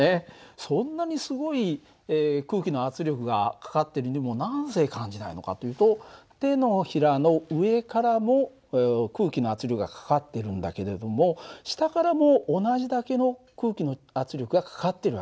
そんなにすごい空気の圧力がかかってるにもなぜ感じないのかというと手のひらの上からも空気の圧力がかかっているんだけれども下からも同じだけの空気の圧力がかかっている訳だ。